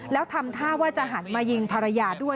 แล้วทำท่าว่าจะหันมายิงภรรยาด้วย